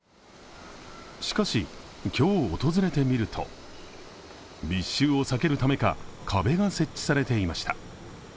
しかし、今日訪れてみると密集を避けるためか壁が設置されていました。